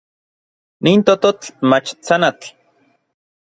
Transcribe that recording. Nin tototl mach tsanatl.